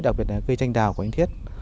đặc biệt là cây tranh đào của anh thiết